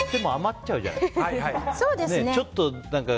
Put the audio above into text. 結構、買っても余っちゃうじゃないですか。